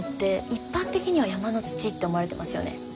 一般的には山の土って思われてますよね？